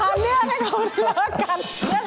หาเลือกให้เขาเลิกกัน